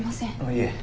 いえ。